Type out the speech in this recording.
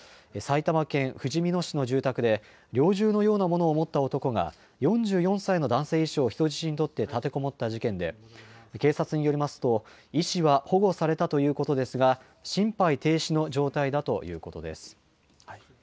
埼玉県ふじみ野市の住宅で、猟銃のようなものを持った男が４４歳の男性医師を人質に取って立てこもった事件で、警察によりますと、医師は保護されたということですが、心肺停止の状態だということです。